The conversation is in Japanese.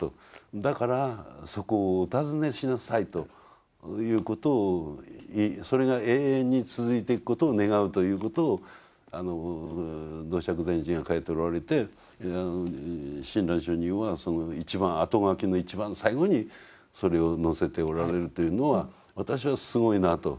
だからそこをお訪ねしなさいということをそれが永遠に続いていくことを願うということを道綽禅師が書いておられて親鸞聖人はその一番あとがきの一番最後にそれを載せておられるというのは私はすごいなと。